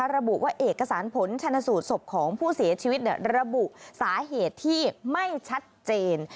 ระบุว่าเอกสารผลชนสูตรศพของผู้เสียชีวิตระบุสาเหตุที่ไม่ชัดเจน